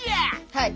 はい。